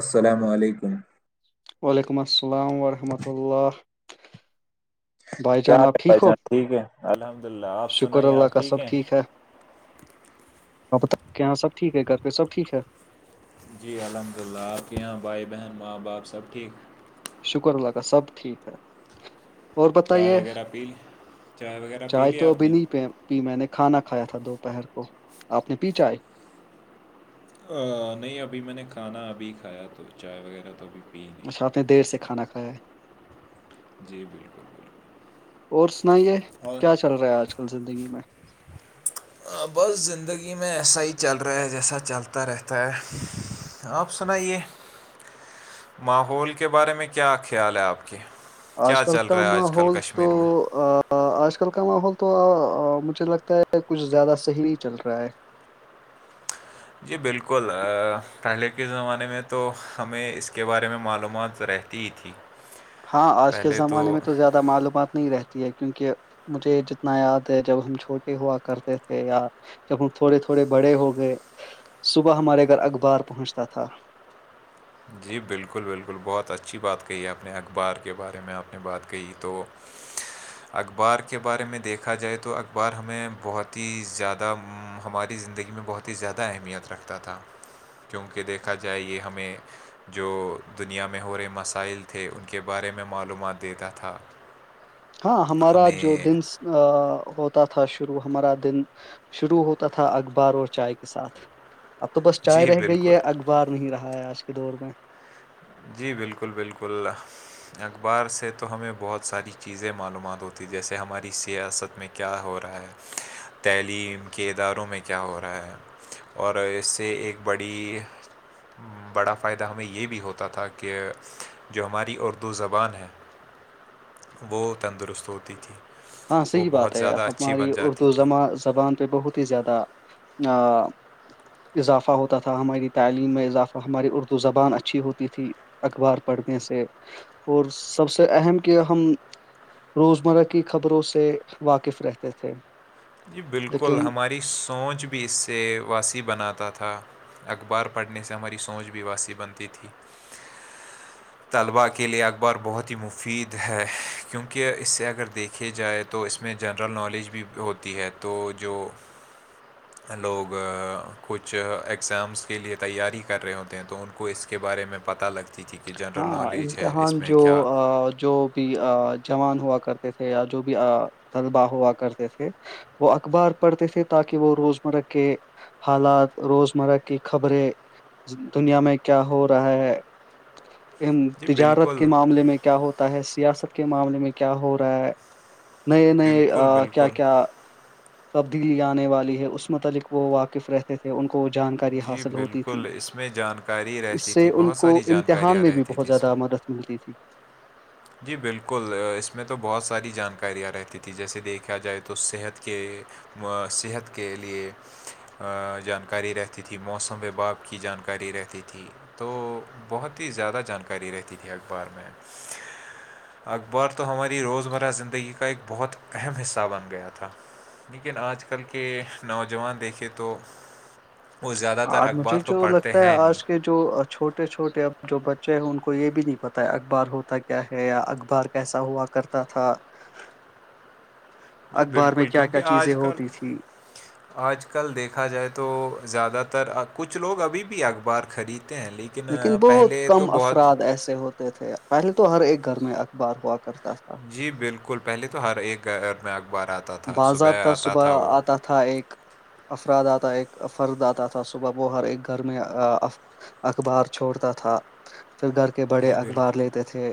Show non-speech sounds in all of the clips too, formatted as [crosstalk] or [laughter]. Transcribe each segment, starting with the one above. السلام علیکم وعلیکم السلام ورحمۃ اللہ بھائی [inaudible] کیا جان آپ ہے ٹھیک بھائی ہو جان ٹھیک ہے الحمد للہ آپ شکر سنائیے اللہ آپ کا ٹھیک سب ہیں ہ بت کہ یہاںب ٹھیک ہے گھر پہ سبٹیک ہے جی الحمد للہ آپ کے یہاں بھائی بہن ماں باپ سب ٹھیک شکر اللہاکا سب ٹھیک ہے اور چائے بتائیے وغیرہ پی لی چائے وغیرہ پی چائے لی تو آپ ابھی نے نہیں پہ پ میں نے کھانا کھایا تھا دوپہر کو آپ نے پیچھائے نہیں ابھی میں نے کھانا ابھی کھایا تو چائے وغیرہ تو ابھی پی اچھا نہیں آپ نے دیر سے کھانا کھایا ہے جی ب اور سنائیے اور کیا چل رہا ہے آج کل زندگی میں [inaudible] بس زندگی میں ایسا ہی چل رہا ہے جیسا چلتا رہتا ہے آپ سنائیے ماحول کے بارے میں کیا خیال ہے آپ کے کیا آج کل چل کا رہا ہے آج کل ماحول تو کشمیر میں آج کل کا ماحول تو مجھے لگتا ہے کچھ زیادہ صحیح نہیں چل رہا ہے جی بالکل پہلے کے زمانے میں تو ہمیں اس کے بارے میں معلومات رہتی ہی تھی [inaudible] ہاں آج کے زمانے میں تو زیادہ معلومات نہیں رہتی ہے کیونکہ مجھے جتنا یاد ہے جب ہم چھوٹے ہوا کرتے تھے یا جب ہم تھوڑے تھوڑے بڑے ہو گئے صبح ہمارے گھر اخبار پہنچتا تھا جی بالکل بالکل بہت اچھی بات کہی اپنے اخبار کے بارے میں آپ نے بات کہی تو [inaudible] اخبار کے بارے میں دیکھا جائے تو اخبار ہمیں بہت ہی زیادہ ہماری زندگی میں بہت ہی زیادہ اہمیت رکھتا تھا کیونکہ دیکھا جائے یہ ہمیں جو دنیا میں ہو رہے مسائل تھے ان کے بارے میں معلومات دیتا تھا [unintelligible] ہاں ہمارا جو ہمیں دن ہوتا تھا شروع ہمارا دن شروع ہوتا تھا اخبار اور چائے کے ساتھ اب تو بس چائے جی رہ گئی بالکل ہے اخبار نہیں رہا ہے آج کے دور میں جی بالکل بالکل اخبار سے تو ہمیں بہت ساری چیزیں معلومات ہوتی جیسے ہماری سیاست میں کیا ہو رہا ہے تعلیم کے اداروں میں کیا ہو رہا ہے اور اس سے ایک بڑی بڑا فائدہ ہمیں یہ بھی ہوتا ہوتا تھا کہ جو ہماری اردو زبان ہے وہ تندرست ہوتی تھی ہاں وہ صحیح بات بہت ہے زیادہ اچھی ہماری بن جاتی اردو تھی زبان پہ بہت ہی زیادہ اضافہ ہوتا تھا ہماری تعلیم میں اضافہ ہماری اردو زبان اچھی ہوتی تھی اخبار پڑھنے سے اور سب سے اہم کیا ہم روزمرہ کی خبروں سے واقف رہتے تھے جی بالکل لیکن ہماری سوچ بھی اس سے واسیع بناتا تھا اخبار پڑھنے سے ہماری سوچ بھی واسیع بنتی تھی طلبا کے لیے اخبار بہت ہی مفید ہے کیونکہ اس سے اگر دیکھے جائے تو تو اس میں جنرل نالج بھی ہوتی ہے تو جو لوگ کچھ اگزامس کے لیے تیاری کر رہے ہوتے ہیں تو ان کو اس کے بارے میں پتہ لگتا [unintelligible] ہاں امتحان جو جو بھی جوان ہوا کرتے تھے یا جو بھی طلبہ ہوا کرتے تھے وہ اخبار پڑھتے تھے تاکہ وہ روز مرہ کے حالات روزمرہ کی خبریں دنیا میں کیا ہو رہا ہے جی تجارت بالکل کے معاملے میں کیا ہوتا ہے سیاست کے معاملے میں کیا ہو رہا ہے نئے نئے بالکل کیا بالکل کیا تبدیلی آنے والی ہے اس متعلق وہ واقف رہتے تھے ان کو وہ جانکاری جی حاصل ہوتی تھی بالکل اس میں جانکاری اس رہتی سے تھی ان بہت کو ساری حان جانکاریاں میں بھی رہتی بہت تھی اس زیادہ میں مدد ملتی تھی جی بالکل اس میں تو بہت ساری جانکاریاں رہتی تھیں جیسے دیکھا جائے تو صحت کے صحت کے لیے جانکاری رہتی تھی موسم و باپ کی جانکاری رہتی تھی تو بہت ہی زیادہ جانکاری رہتی تھی اخبار میں اخبار تو ہماری روز مرہ زندگی کا ایک بہت اہم حصہ بن گیا تھا لیکن آج کل کے نوجوان دیکھے تو وہ زیادہ تر اور مجھے اخبار تو جو پڑھتے لگتا ہے ہیں نہیں آج کے جو چھوٹے چھوٹے اب جو بچے ہیں ان کو یہ بھی نہیں پتا ہے اخبار ہوتا کیا ہے یا اخبار کیسا ہوا کرتا تھا جی اخبار میں بالکل کیا کیونکہ کیا آج چیزیں کل ہوتی تھی آج کل دیکھا جائے تو زیادہ تر کچھ لوگ ابھی بھی اخبار خریدتے ہیں لیکن لیکن بہت پہلے تو کم بہت افراد ایسے ہوتے تھے پہلے تو ہر ایک گھر میں اخبار ہوا کرتا تھا جی بالکل پہلے تو ہر ایک گھر میں اخباراتتا باضابطہ صبح آتا تھا ایک افراد آتا ایک فرد آتا تھا صبح وہ ہر ایک گھر میں اخبار چھوڑتا تھا پھر گھر کے بڑے جی اخبار بالکل لیتے تھے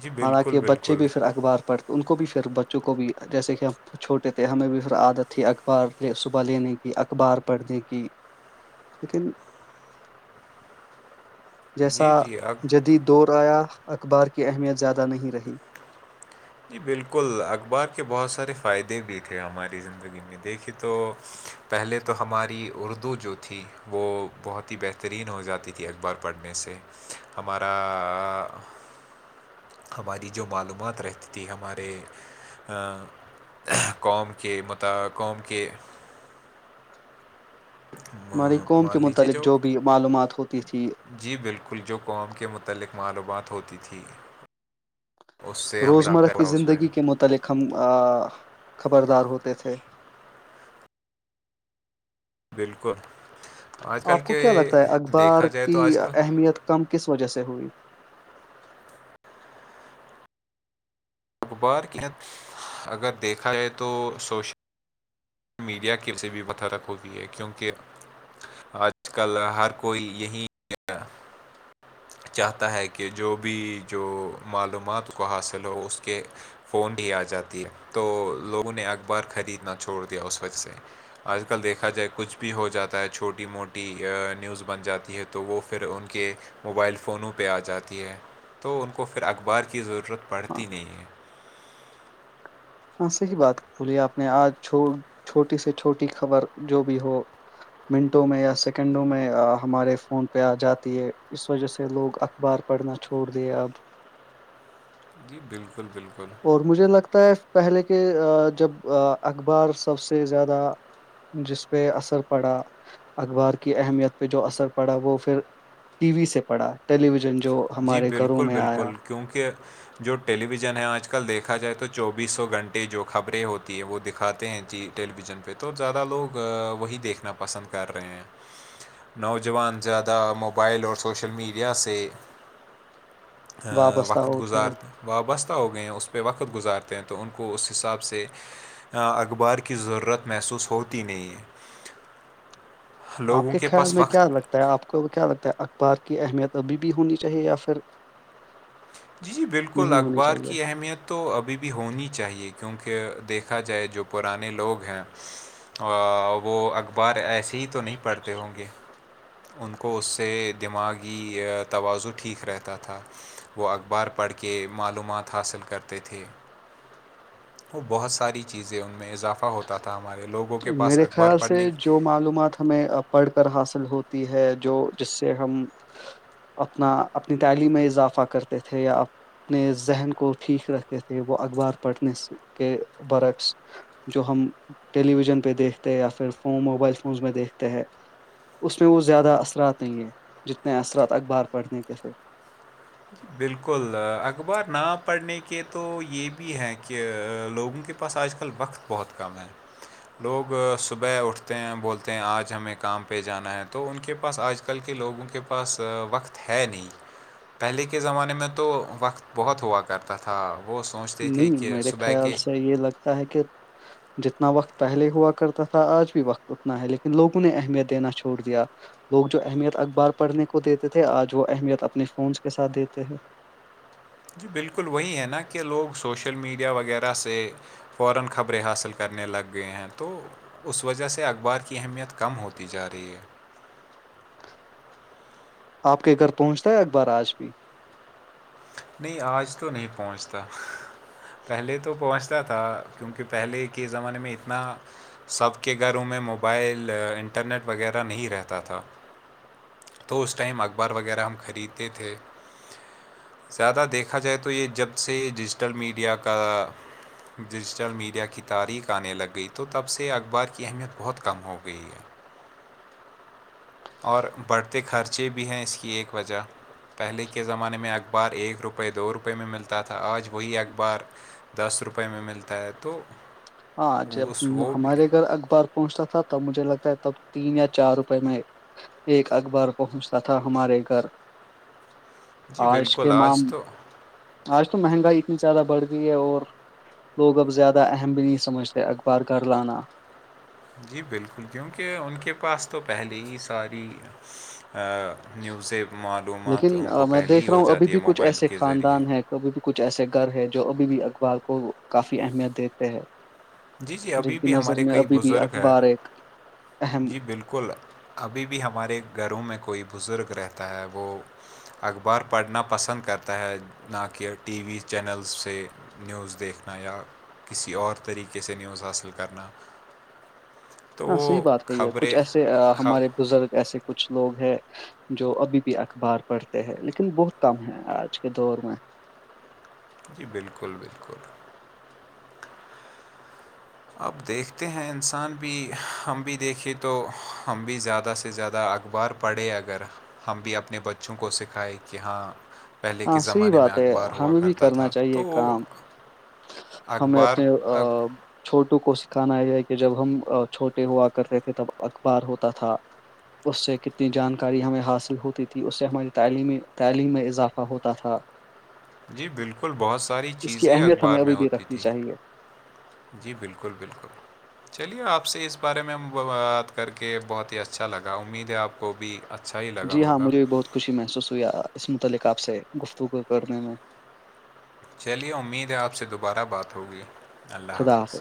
جی بالکل حالانکہ بچے بالکل بھی پھر اخبار پڑھ ان کو بھی پھر بچوں کو بھی جیسے کہ ہم وہ چھوٹے تھے ہمیں بھی پھر عادت تھی اخبار صبح لینے کی اخبار پڑھنے کی لیکن جیسا جی جی اخ جدید دور آیا اخبار کی اہمیت زیادہ نہیں رہی جی بالکل اخبار کے بہت سارے فائدے بھی تھے ہماری زندگی میں دیکھیے تو پہلے تو ہماری اردو جو تھی وہ بہت ہی بہترین ہو جاتی تھی اخبار پڑھنے سے ہمارا ہماری جو معلومات رہتی تھی ہمارے قوم کے م قوم کے ہماری قوم کے مان لیجیے متعلق جو بھی معلومات ہوتی تھی جی بالکل جو قوم کے متعلق معلومات ہوتی تھی اس سے ہمیں روزمرہ اضافہ کی ہوا اس میں زندگی کے متعلق ہم خبردار ہوتے تھے بالکل آج کل آپ کو کے کیا لگتا ہے دیکھا اخبار جائے کی تو آج کل اہمیت کم کس وجہ سے ہوئی اخبار ح اگر دیکھا جائے تو سوشل میڈیا کی سے بھی بترک ہوئی ہے کیونکہ آج کل ہر کوئی یہی کیا چاہتا ہے کہ جو بھی جو معلومات کو حاصل ہو اس کے فون بھی آ جاتی ہے تو لوگوں نے اخبار خریدنا چھوڑ دیا اس وجہ سے آج کل دیکھا جائے کچھ بھی ہو جاتا ہے چھوٹی موٹی نیوز بن جاتی ہے تو تو وہ پھر ان کے موبائل فونوں پہ آ جاتی ہے تو ان کو پھر اخبار کی ضرورت ہاں پڑتی نہیں ہے ہاں صحیح بات بولی آپ نے آج چھوٹی سے چھوٹی خبر جو بھی ہو منٹوں میں یا سیکنڈوں میں ہمارے فون پہ آ جاتی ہے اس وجہ سے لوگ اخبار پڑھنا چھوڑ د اپ جی بالکل بالکل اور مجھے لگتا ہے پہلے کے جب اخبار سب سے زیادہ جس پہ اثر پڑا اخبار کی اہمیت پہ جو اثر پڑا وہ پھر ٹی وی سے پڑھا ٹیلی ویژن جو جی ہمارے گھروں بالکل میں آیا بالکل کیونکہ جو ٹیلی ویژن ہے آج کل دیکھا جائے تو چوبیسوں گھنٹے جو خبریں ہوتی ہیں وہ دکھاتے ہیں چی ٹیلی ویژن پہ تو زیادہ لوگ وہی دیکھنا پسند کر رہے ہیں نوجوان زیادہ موبائل اور سوشل میڈیا سے وابستہ وقت ہوتے گزارتے وابستہ ہو گئے ہیں اس پہ وقت گزارتے ہیں تو ان کو اس حساب سے اخبار کی ضرورت محسوس ہوتی نہیں ہے آپ لوگوں کے خیال پاس میں کیا وقت لگتا ہے آپ کو کیا لگتا ہے اخبار کی اہمیت ابھی بھی ہونی چاہیے یا پھر جی جی بالکل نہیں ہونی اخبار چاہیے کی اہمیت تو ابھی بھی ہونی چاہیے کیونکہ دیکھا جائے جو پرانے لوگ ہیں ا وہ اخبار ایسے ہی تو نہیں پڑھتے ہوں گے ان کو اس سے دماغی توازن ٹھیک رہتا تھا وہ اخبار پڑھ کے معلومات حاصل کرتے تھے تو بہت ساری چیزیں ان میں اضافہ ہوتا تھا ہمارے لوگوں کے پاس میرے اخبار خیال سے پڑھنے جو معلومات ہمیں پڑھ کر حاصل ہوتی ہے جو جس سے ہم اپنا اپنی تعلیم میں اضافہ کرتے تھے یاپ اپنے ذہن کو ٹھیک رکھتے تھے وہ اخبار پڑھنے کے برعکس جو ہم ٹیلی ویژن پہ دیکھتے یا پھر فون موبائل فونز میں دیکھتے ہے اس میں وہ زیادہ اثرات نہیں ہیں جتنے اثرات اخبار پڑھنے کے تھے بالکل اخبار نہ پڑھنے کے تو یہ بھی ہیں کہ لوگوں کے کے پاس آج کل وقت بہت کم ہے لوگ صبح اٹھتے ہیں بولتے ہیں آج ہمیں کام پہ جانا ہے تو ان کے پاس آج کل کے لوگوں کے پاس وقت ہے نہیں پہلے کے کے زمانے میں تو وقت بہت ہوا کرتا تھا وہ سوچتے تھے کہ صبح کے تاک کہ جتنا وقت پہلے ہوا کرتا تھا آج بھی وقت اتنا ہے لیکن لوگوں نے اہمیت دینا چھوڑ دیا لوگ جو اہمیت اخبار پڑھنے کو دیتے تھے آج وہ اہمیت اپنے فونس کے ساتھ دیتے ہیں جی بالکل وہی ہے نا کہ لوگ سوشل میڈیا وغیرہ سے [inaudible] اس وجہ سے اخبار کی اہمیت کم ہوتی جا رہی ہے آپ کے گھر پہنچتا ہے اخبار آج بھی نہیں آج تو نہیں پہنچتا پہلے تو پہنچتا تھا کیونکہ پہلے کے زمانے میں اتنا سب کے گھروں میں موبائل انٹرنیٹ وغیرہ نہیں رہتا تھا تو اس ٹائم اخبار وغیرہ ہم خریدتے تھے زیادہ دیکھا جائے تو یہ جب سے ڈیجیٹل میڈیا کا ڈیجیٹل میڈیا کی تاریخ آنے لگ گئی تو تب سے اخبار کی اہمیت بہت کم ہو گئی ہے اور بڑھتے خرچے بھی ہیں اس کی ایک وجہ پہلے کے زمانے میں اخبار ایک روپئے دو روپئے میں ملتا تھا آج وہی اخبار دس روپئے میں ملتا ہے تو ہاں جب اس وہ بھی ہمارے گھر اخبار پہنچتا تھا تب مجھے لگتا ہے تب تین یا چار روپے میں ایک اخبار پہنچتا تھا ہمارے گھر جی بالکل کے آج معام تو آج تو مہنگائی اتنی زیادہ بڑھ گئی ہے اور لوگ اب زیادہ اہم بھیلی سمجتے اخبار گار لانا جی بالکل کیونکہ ان کے پاس تو پہلے ہی ساری نیوزیں لیکن معلومات ان آ، کو میں پہلے دیکھ ہی رہا ہو ہوں ابھی جاتی ہے بھی کچھ موبائل ایسے کے ذریعے خاندان ہیں کبھی بھی کچھ ایسے گھر ہے جو ابھی بھی اخبار کو کافی اہمیت دیتے ہے جی جی ابھی بھی ہمارے کئی بھی بزرگ ہیں اخبار ایک اہم جی بالکل ابھی بھی ہمارے گھروں میں کوئی بزرگ رہتا ہے وہ اخبار پڑھنا پسند کرتا ہے نہ کہ ٹی وی چینلس سے نیوز دیکھنا یا کسی اور طریقے سے نیوز حاصل کرنا تو ہاں صحیح وہ بات کہی ہے کچھ خبریں ایسے خب ہمارے بزرگ ایسے کچھ لوگ ہیں جو ابھی بھی اخبار پڑھتے ہیں لیکن بہت کم ہے آج کے دور میں جی بالکل بالکل اب دیکھتے ہیں انسان بھی ہم بھی دیکھے تو ہم بھی زیادہ سے زیادہ اخبار پڑھے اگر ہم بھی اپنے بچوں کو سکھائے کہ ہاں پہلے ہاں کے صحیح زمانے بات میں ہے اخبار ہوا ہمیں بھی کرتا کرنا تھا چاہیے تو کام ہمیں اخبار اپنے اخ- چھوٹوں کو سکھانا یہ ہے کہ جب ہم چھوٹے ہوا کرتے تھے تب اخبار ہوتا تھا اس سے کتنی جانکاری ہمیں حاصل ہوتی تھی اس سے ہماری تعلیمی تعلیم میں اضافہ ہوتا تھا جی بالکل بہت ساری اس کی چیزیں اہمیت ہمیں اخبار میں ابھی بھی ہوتی رکھنی تھیں چاہیے جی بالکل بالکل چلیے آپ سے اس بارے میں بات کر کے بہت ہی اچھا لگا امید ہے آپ کو بھی اچھا ہی لگا جی ہاں ہوگا مجھے بھی بہت خوشی محسوس ہوئی اس متعلق آپ سے گفتگو کرنے میں چلیے امید ہے آپ سے دوبارہ بات ہوگی اللہ حافظ